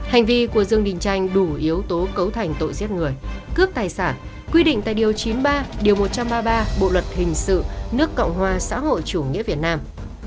hành vi của dương đình chanh đủ yếu tố cấu thành tội giết người cướp tài sản quy định tại điều chín mươi ba điều một trăm ba mươi ba bộ luật hình sự nước cộng hòa xã hội chủ nghĩa việt nam